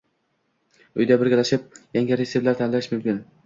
Uyda birgalashib yangi retseptlar tanlash mumkin.